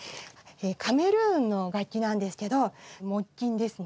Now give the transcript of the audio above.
カメルーンの楽器なんですけど木琴ですね。